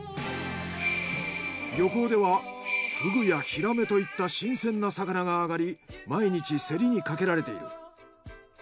漁港ではフグやヒラメといった新鮮な魚が揚がり毎日競りにかけられている。